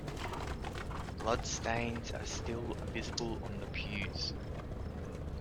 Blood stains are still visible on the pews.